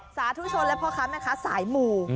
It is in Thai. สาธุชนและพ่อค้าแม่ค้าสายหมู่